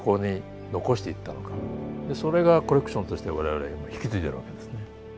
でそれがコレクションとして我々引き継いでるわけですね。